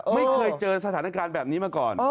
ไม่เคยเจอสถานการณ์แบบนี้มาก่อน